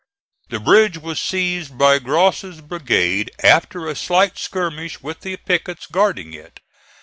The bridge was seized by Gross's brigade after a slight skirmish with the pickets guarding it.